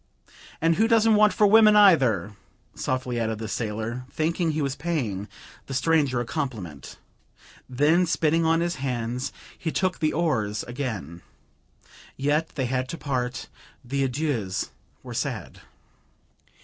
"And who doesn't want for women, either," softly added the sailor, thinking he was paying the stranger a compliment. Then, spitting on his hands, he took the oars again. Yet they had to part. The adieux were sad.